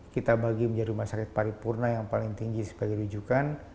kita bagi menjadi rumah sakit paripurna yang paling tinggi sebagai rujukan